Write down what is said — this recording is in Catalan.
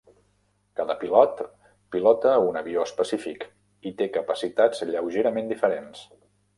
Cada pilot pilota un avió específic i té capacitats lleugerament diferents.